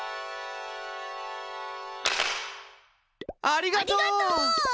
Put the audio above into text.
ありがとう！